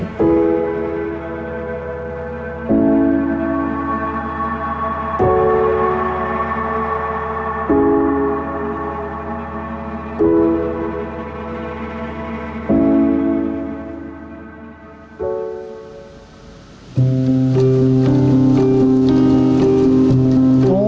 อาทิตย์แห่งเธอว่าคุณคือเกียรติธรรมนกของตัวเอง